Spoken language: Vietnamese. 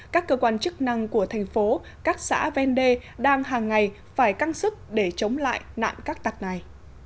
các cơ quan chức năng của thành phố các xã ven đê đang hàng ngày phải căng sức để chống lại nạn các tặc này